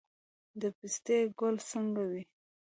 د پستې ګل څنګه وي؟